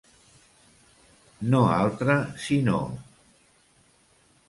No altre sinó.